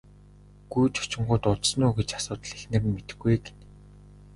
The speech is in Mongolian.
Гүйж очингуут удсан уу гэж асуутал эхнэр нь мэдэхгүй ээ гэнэ.